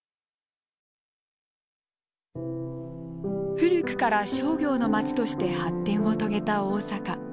古くから商業の街として発展を遂げた大阪。